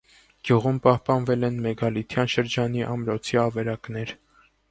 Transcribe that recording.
Գյուղում պահպանվել են մեգալիթյան շրջանի ամրոցի ավերակներ։